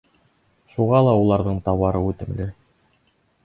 Шуға ла уларҙың тауары үтемле.